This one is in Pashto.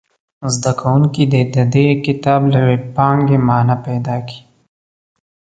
زده کوونکي دې د دې کتاب له وییپانګې معنا پیداکړي.